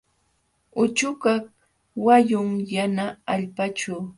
Uchukaq wayun yana allpaćhu.